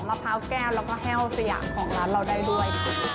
มะพร้าวแก้วแล้วก็แห้วสยามของร้านเราได้ด้วย